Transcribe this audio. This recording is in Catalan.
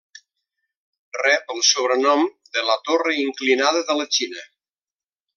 Rep el sobrenom de 'La torre inclinada de la Xina'.